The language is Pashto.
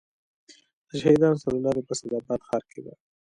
د شهیدانو څلور لارې په اسداباد ښار کې ده